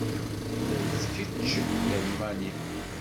Ula d kečč d Almani?